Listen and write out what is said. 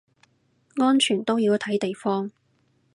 安全都要睇地方